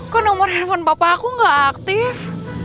kok nomor handphone papa aku nggak aktif